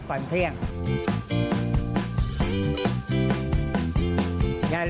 คือนายอัศพรบวรวาชัยครับ